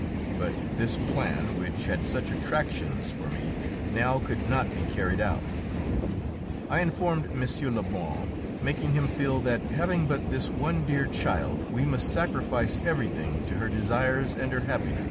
But this plan, which had such attractions for me, now could not be carried out. I informed M. Lebrun, making him feel that, having but this one dear child, we must sacrifice everything to her desires and her happiness.